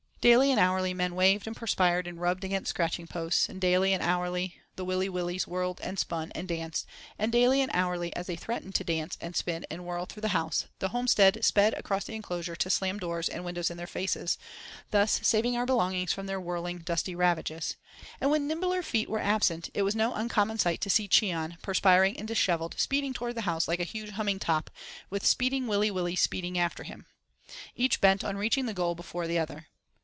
Daily and hourly men waved and perspired and rubbed against scratching posts, and daily and hourly the Willy Willys whirled and spun and danced, and daily and hourly as they threatened to dance, and spin, and whirl through the house, the homestead sped across the enclosure to slam doors and windows in their faces, thus saving our belongings from their whirling, dusty ravages; and when nimbler feet were absent it was no uncommon sight to see Cheon, perspiring and dishevelled, speeding towards the house like a huge humming top, with speeding Willy Willys speeding after him, each bent on reaching the goal before the other.